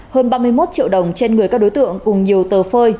hơn ba mươi một triệu đồng trên người các đối tượng cùng nhiều tờ phơi